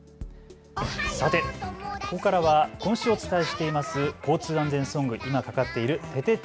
さてここからは今週お伝えしています交通安全ソング、今かかっているててて！